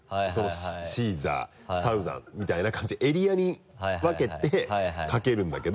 シーザーサウザンみたいな感じでエリアに分けてかけるんだけど。